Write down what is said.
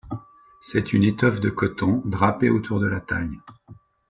C'est une étoffe de coton drapée autour de la taille.